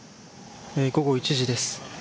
午後１時です。